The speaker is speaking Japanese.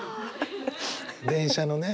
電車のね